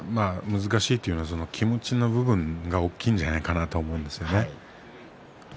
難しいというのは気持ちの部分が大きいんじゃないかと思うんですね。